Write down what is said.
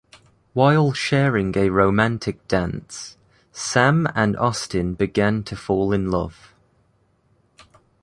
While sharing a romantic dance, Sam and Austin begin to fall in love.